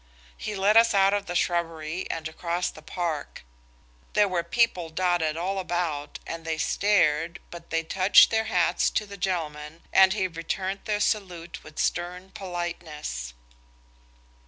He led us out of the shrubbery and across the park. There were people dotted all about and they stared, but they touched their hats to the gentleman, and he returned their salute with stern politeness.